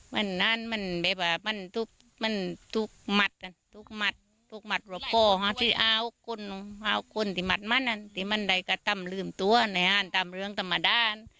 มีทุกคนรู้ว่าไหนร่างถามเรื่องตามัดาน